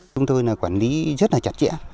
chúng tôi là quản lý rất là chặt chẽ